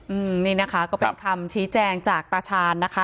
อืมนี่นะคะก็เป็นคำชี้แจงจากตาชาญนะคะ